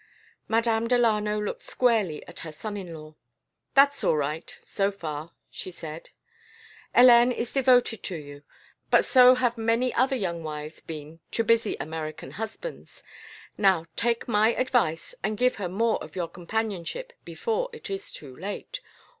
Madame Delano looked squarely at her son in law. "That's all right so far," she said grimly. "Hélène is devoted to you. But so have many other young wives been to busy American husbands. Now, take my advice, and give her more of your companionship before it is too late.